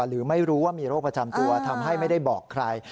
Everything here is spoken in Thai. หรือไม่รู้ว่ามีโรคประจำตัวทำให้ไม่ได้บอกใคร